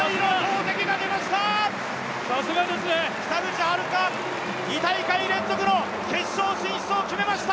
北口榛花、２大会連続の決勝進出を決めました。